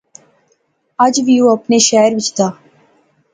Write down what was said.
اج وی او اپنے شہرے وچ دا